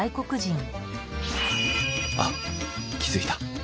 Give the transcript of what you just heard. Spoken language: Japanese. あっ気付いた。